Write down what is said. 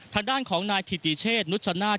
ทางด้านของนายฮถิษเชษนุจชนาฬ